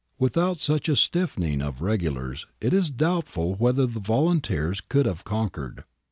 ^ Without such a stiffening of regulars, it is doubtful whether the volunteers could have conquered.